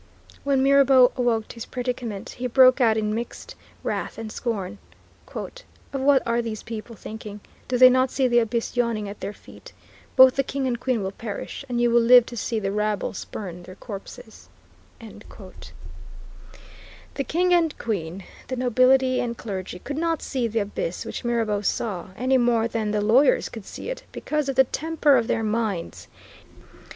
When Mirabeau awoke to his predicament, he broke out in mixed wrath and scorn: "Of what are these people thinking? Do they not see the abyss yawning at their feet? Both the King and Queen will perish, and you will live to see the rabble spurn their corpses." The King and Queen, the Nobility and Clergy, could not see the abyss which Mirabeau saw, any more than the lawyers could see it, because of the temper of their minds.